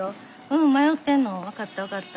うん迷ってんの分かった分かった。